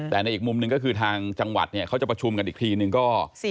แต่ในอีกมุมหนึ่งก็คือทางจังหวัดเนี่ยเขาจะประชุมกันอีกทีนึงก็